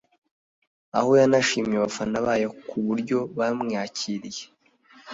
aho yanashimiye abafana bayo ku buryo bamwakiriye